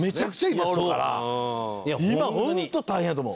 今ホント大変やと思う。